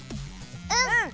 うん！